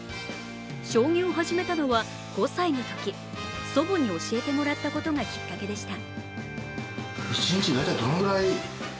将棋を始めたのは５歳のとき、祖母に教えてもらったことがきっかけでした。